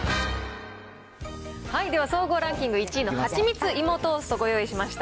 では、総合ランキング１位のはちみついもトーストご用意しました。